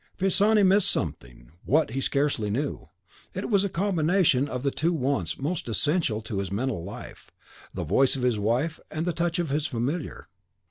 Pisani missed something, what, he scarcely knew; it was a combination of the two wants most essential to his mental life, the voice of his wife, the touch of his Familiar.